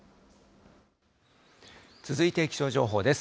続いて気象情報です。